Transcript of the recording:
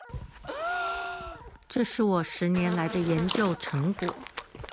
這是我十年來的研究成果